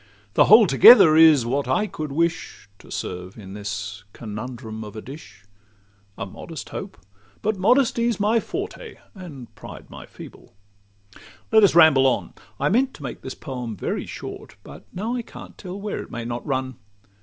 The whole together is what I could wish To serve in this conundrum of a dish. A modest hope—but modesty 's my forte, And pride my feeble:—let us ramble on. I meant to make this poem very short, But now I can't tell where it may not run.